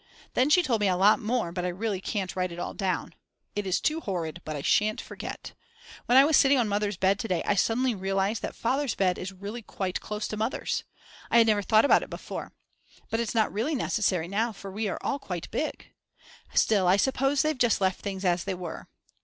Then she told me a lot more but I really can't write it all down. It is too horrid, but I shan't forget. When I was sitting on Mother's bed to day I suddenly realised that Father's bed is really quite close to Mother's. I had never thought about it before. But it's not really necessary now for we are all quite big. Still I suppose they've just left things as they were.